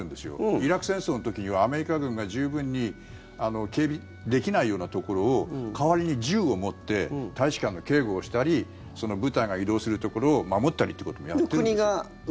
イラク戦争の時にはアメリカ軍が十分に警備できないようなところを代わりに銃を持って大使館の警護をしたり部隊が移動するところを守ったりということもやってるんですよ。